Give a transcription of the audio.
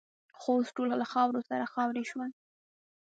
خو اوس ټول له خاورو سره خاوروې شول.